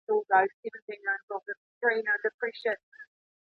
که په پس منظر کي شین رنګ وي نو په اسانۍ بدلیږي.